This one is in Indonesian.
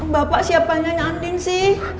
bapak siapa nya andin sih